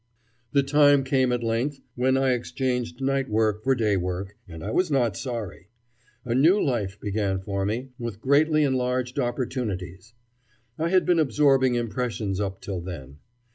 The time came at length when I exchanged night work for day work, and I was not sorry. A new life began for me, with greatly enlarged opportunities. I had been absorbing impressions up till then.